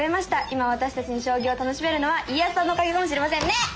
今私たちが将棋を楽しめるのは家康さんのおかげかもしれませんね！